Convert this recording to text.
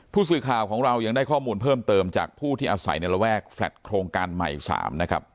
ผู้สื่อข่าวของเรายังได้ข้อมูลเพิ่มเติมจากผู้ที่อาศัยในระแวกแฟลต์โครงการใหม่๓นะครับ